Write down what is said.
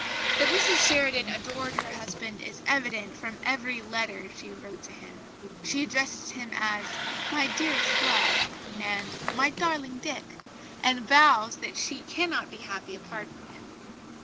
That Mrs Sheridan adored her husband is evident from every letter she wrote to him. She addresses him as "my dearest Love" and "my darling Dick," and vows that she cannot be happy apart from him.